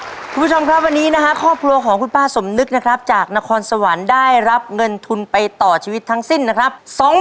คุณผู้ชมครับวันนี้นะฮะครอบครัวของคุณป้าสมนึกนะครับจากนครสวรรค์ได้รับเงินทุนไปต่อชีวิตทั้งสิ้นนะครับ